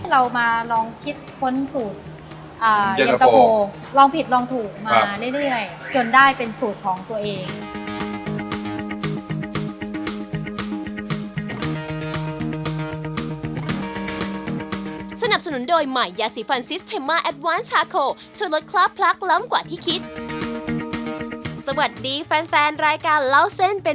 เรามาลองคิดค้นสูตรเหยียดปะโภ